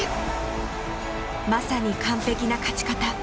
まさに完璧な勝ち方。